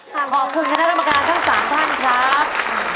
ขอบคุณคณะกรรมการทั้ง๓ท่านครับ